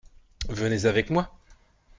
Venez avec moi !